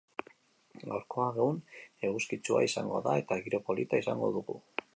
Gaurkoa egun eguzkitsua izango da eta giro polita izango dugu.